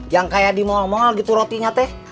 yang kayak di mall mall gitu rotinya teh